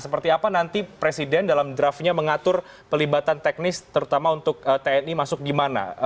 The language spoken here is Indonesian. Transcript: seperti apa nanti presiden dalam draftnya mengatur pelibatan teknis terutama untuk tni masuk di mana